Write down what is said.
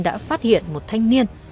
đã phát hiện một thanh niên